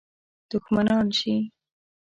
دښمنان شي.